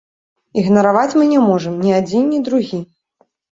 Ігнараваць мы не можам ні адзін, ні другі.